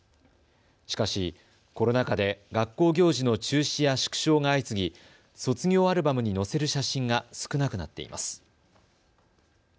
しかし、コロナ禍で学校行事の中止や縮小が相次ぎ卒業アルバムに載せる写真が少なくなっています。